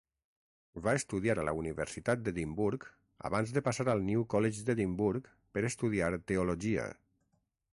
Va estudiar a la Universitat d'Edimburg abans de passar al New College d'Edimburg per estudiar teologia.